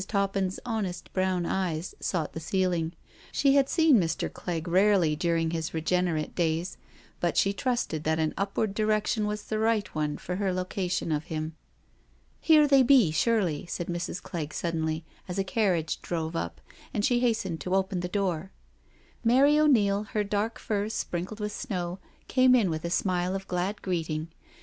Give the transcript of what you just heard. Toppin's honest brown eyes sought the ceiling. She had seen Mr. Clegg rarely during his regenerate days, but she trusted that an upward direction was the right one for her location of him. " Here they be surely," said Mrs. Clegg suddenly, as a carriage drove up, and she hastened to open the door. Mary O'Neil, her dark furs sprinkled with snow, came in with a smile of glad greeting.